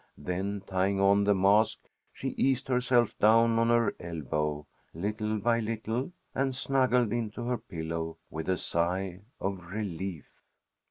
Then tying on the mask, she eased herself down on her elbow, little by little, and snuggled into her pillow with a sigh of relief.